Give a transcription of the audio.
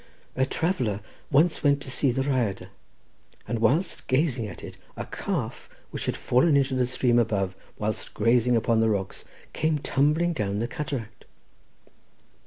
"A traveller once went to see the Rhyadr, and whilst gazing at it a calf, which had fallen into the stream above whilst grazing upon the rocks, came tumbling down the cataract.